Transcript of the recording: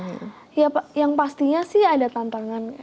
ya yang pastinya sih ada tantangan